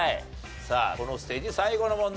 さあこのステージ最後の問題になります。